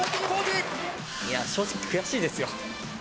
いや、正直悔しいですよ。